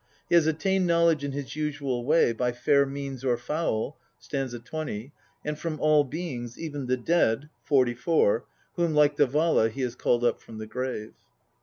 He has attained knowledge in his usual way, by fair means or foul (st. 20), and from all beings, even the dead (44) whom, like the Vala, he has called up from the grave.